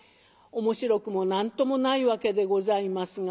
面白くも何ともないわけでございますが。